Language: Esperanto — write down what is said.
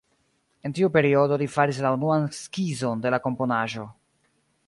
En tiu periodo li faris la unuan skizon de la komponaĵo.